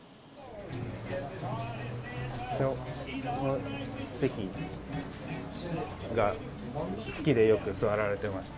こちらの席が好きでよく座られてました。